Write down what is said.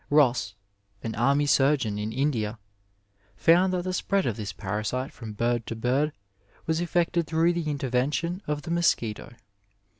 Ross, an army surgeon in India, found that the spread of this parasite from bird to bird was effected through the intervention of the mosquito.